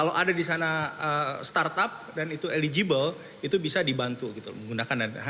kalau ada di sana startup dan itu eligible itu bisa dibantu gitu menggunakan